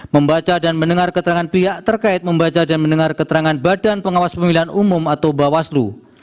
membaca dan mendengar keterangan pihak terkait membaca dan mendengar keterangan badan pengawas pemilihan umum atau bawaslu